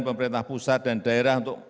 pemerintah pusat dan daerah untuk